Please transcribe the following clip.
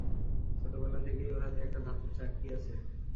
ছোটবেলা থেকেই ওর হাতে একটা ধাতব চাকতি আছে।